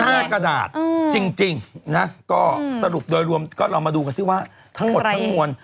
ยาวดูหน้ากระดาษจริงนะก็สรุปโดยรวมก็เรามาดูกันซิว่าทั้งหมดทั้งงวล